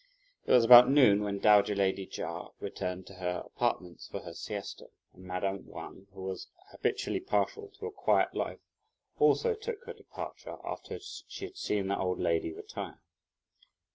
It was about noon, when dowager lady Chia returned to her apartments for her siesta; and madame Wang, who was habitually partial to a quiet life, also took her departure after she had seen the old lady retire.